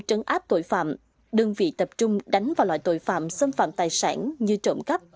trấn áp tội phạm đơn vị tập trung đánh vào loại tội phạm xâm phạm tài sản như trộm cắp